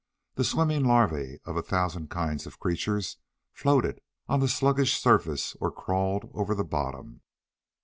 The swimming larvae of a thousand kinds of creatures floated on the sluggish surface or crawled over the bottom.